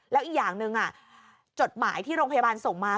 แล้วอีกอย่างหนึ่งจดหมายที่โรงพยาบาลส่งมา